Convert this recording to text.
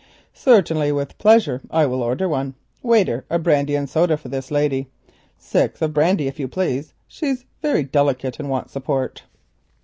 "Certainly, with pleasure; I will order one. Waiter, a brandy and soda for this lady—six of brandy, if you please; she's very delicate and wants support."